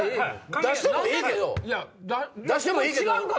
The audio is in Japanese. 出してもええけど。